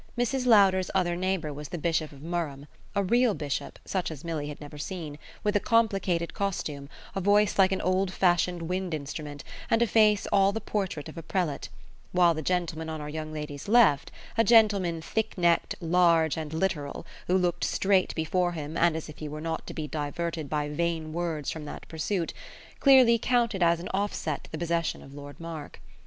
Mrs. Lowder's other neighbour was the Bishop of Murrum a real bishop, such as Milly had never seen, with a complicated costume, a voice like an old fashioned wind instrument, and a face all the portrait of a prelate; while the gentleman on our young lady's left, a gentleman thick necked, large and literal, who looked straight before him and as if he were not to be diverted by vain words from that pursuit, clearly counted as an offset to the possession of Lord Mark.